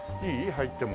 入っても。